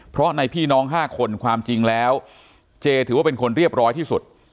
เพราะในพี่น้อง๕คนความจริงแล้วเจถือว่าเป็นคนเรียบร้อยที่สุด